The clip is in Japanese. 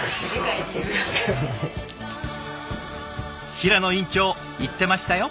平野院長言ってましたよ。